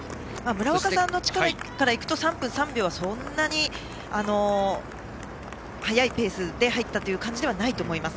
村岡さんの力からいくと３分３秒はそんなに速いペースで入った感じではないと思います。